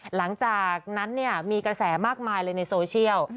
หลังจากนั้นมีกระแสมากมายเลยในโซเชียล